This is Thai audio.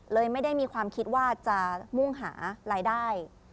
ไม่ได้มีความคิดว่าจะมุ่งหารายได้